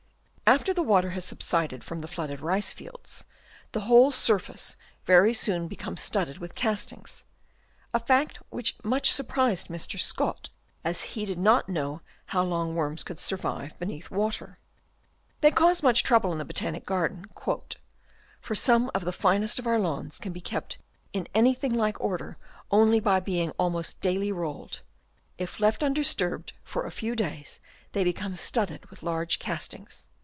After the water has subsided from the flooded rice fields, the whole surface very soon becomes studded with castings — a fact which much surprised Mr, Scott, as he did not know how long worms could survive beneath water. They cause much trouble in the Botanic garden, "for " some of the finest of our lawns can be kept " in anything like order only by being almost " daily rolled ; if left undisturbed for a few days " they become studded with large castings."